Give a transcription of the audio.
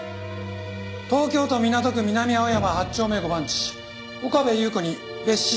「東京都港区南青山八丁目五番地岡部祐子に別紙